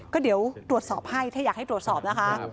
ก็เดี๋ยวตรวจสอบให้ถ้าอยากให้ตรวจสอบนะคะ